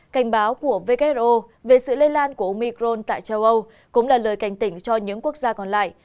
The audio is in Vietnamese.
cảnh báo của who về sự lây lan của omicron tại châu âu cũng là lời cảnh tỉnh cho những quốc gia còn lại